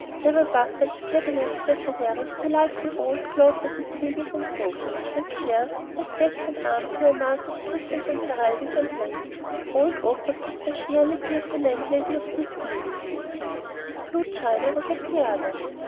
There were buffets, cabinets, secretaries, delightful old claw footed tables and sofas, and chairs whose backs and arms were a mass of griffins and heraldic emblems. Old oak was the specialty of the landlady of this New Inn, it seemed, as blue china was of the other.